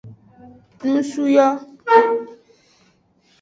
Nusu yo.